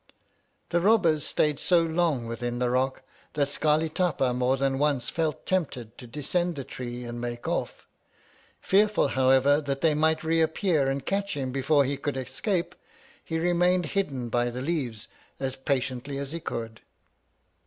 The robbers stayed so long within the rock that Scarli Tapa more than once felt tempted to descend the tree and make off. Fearful, however, that they might reappear and catch him before he could escape, he remained hidden by the leaves, as patiently as he could.